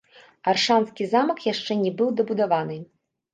Аршанскі замак яшчэ не быў дабудаваны.